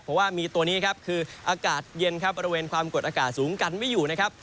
เพราะว่ามีตัวนี้ครับคืออากาศเย็นครับบริเวณความกดอากาศสูงกันไม่อยู่นะครับ